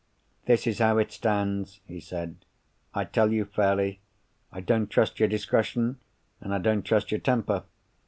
"This is how it stands," he said. "I tell you fairly, I don't trust your discretion, and I don't trust your temper.